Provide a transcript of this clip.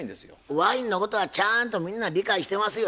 ワインのことはちゃんとみんな理解してますよ。